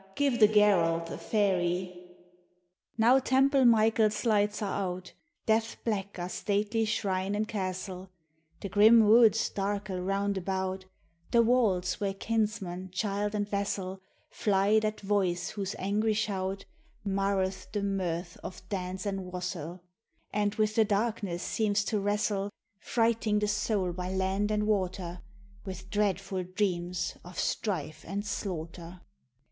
Give the Garalth a ferry !" Now Temple Michael's lights are out, Death black are stately shrine and castle, The grim woods darkle round about The walls where kinsman, child and vassal Fly that voice whose angry shout Marreth the mirth of dance and wassail. And with the darkness seems to wrestle, Frighting the soul by land and water With dreadful dreams of strife and slaughter.